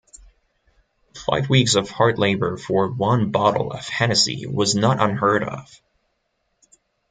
Five weeks of hard labor for one bottle of Hennessy was not unheard of.